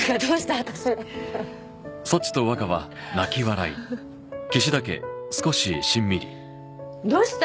私どうした？